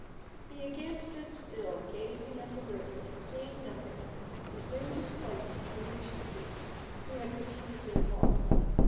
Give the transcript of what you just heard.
He again stood still, gazing up the river, and, seeing nothing, resumed his place between the two priests, who had continued their walk.